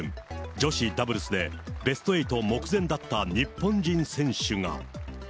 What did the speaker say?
女子ダブルスでベスト８目前だった日本人選手が。